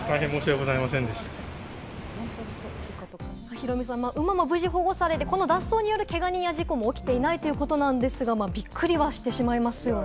ヒロミさん、馬も無事保護されて、脱走によるけが人や事故も起きていないということなんですが、びっくりはしてしまいますよね。